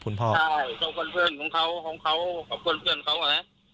คุณพ่อเจ้าคนเพื่อนของเขาของเขากับเพื่อนเพื่อนเขาอะไรฮะ